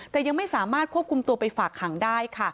แต่ยังไม่สามารถควบคุมตัวไปฝากขังได้ค่ะ